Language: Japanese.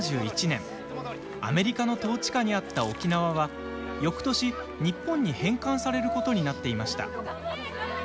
アメリカの統治下にあった沖縄はよくとし、日本に返還されることになっていました。